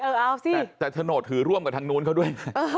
เอาสิแต่โฉนดถือร่วมกับทางนู้นเขาด้วยนะ